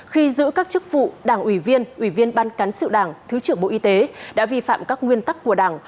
khi giữ các chức vụ đảng ủy viên ủy viên ban cán sự đảng thứ trưởng bộ y tế đã vi phạm các nguyên tắc của đảng